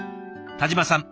田嶋さん